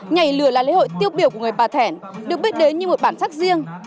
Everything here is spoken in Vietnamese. nhảy lửa là lễ hội tiêu biểu của người bà thẻn được biết đến như một bản sắc riêng